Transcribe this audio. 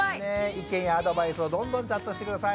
意見やアドバイスをどんどんチャットして下さい。